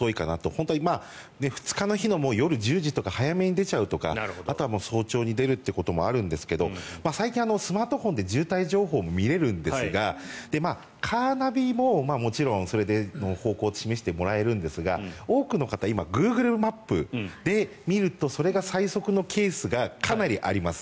本当に２日の夜１０時とか早めに出ちゃうとかあとは早朝に出るということもあるんですが最近、スマートフォンで渋滞情報が見れるんですがカーナビも、もちろんそれで方向を示してもらえるんですが多くの方、今グーグルマップで見るとそれが最速のケースがかなりあります。